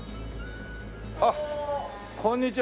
あっこんにちは。